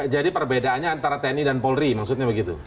jadi perbedaannya antara tni dan polri maksudnya begitu